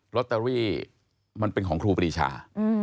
ลอตเตอรี่มันเป็นของครูปรีชา